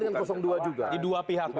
dengan dua juga di dua pihak